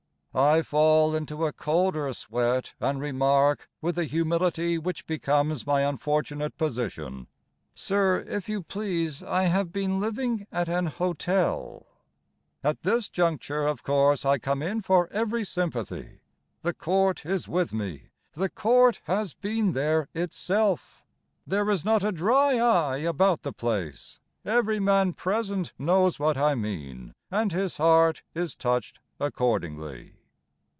I fall into a colder sweat And remark, With a humility Which becomes my unfortunate position, "Sir, if you please, I have been living at an hotel." At this juncture of course I come in for every sympathy: The Court is with me, The Court has been there itself; There is not a dry eye about the place, Every man present knows what I mean, And his heart is touched accordingly.